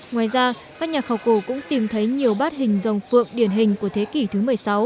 ngoài ra các nhà khảo cổ cũng tìm thấy nhiều bát hình dòng phượng điển hình của thế kỷ thứ một mươi sáu